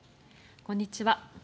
こんにちは。